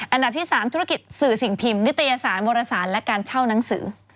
อันดับที่๓ธุรกิจสื่อสิ่งพิมพ์นิตยสารวรสารและการเช่านังสือ